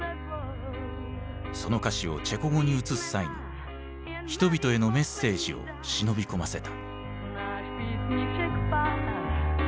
その歌詞をチェコ語に移す際に人々へのメッセージを忍び込ませた。